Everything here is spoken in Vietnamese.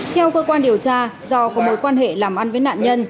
theo cơ quan điều tra do có mối quan hệ làm ăn với nạn nhân